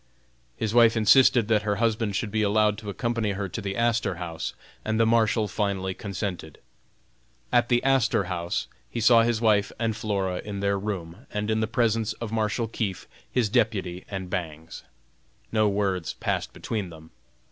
His wife insisted that her husband should be allowed to accompany her to the Astor House, and the Marshal finally consented. At the Astor House he saw his wife and Flora in their room, in the presence of Marshal Keefe, his deputy, and Bangs. No words passed between them.